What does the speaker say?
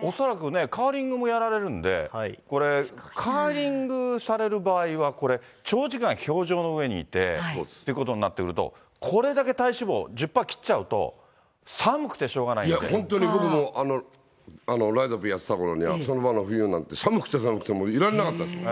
恐らくね、カーリングもやられるんで、これ、カーリングされる場合は、長時間氷上の上にいてということになってくると、これだけ体脂肪、１０パー切っちゃうと、いや、本当に僕もう、ライザップやってたころには、冬場なんて、寒くて寒くてもういられなかったもん。